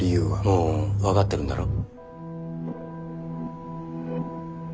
もう分かってるんだろ？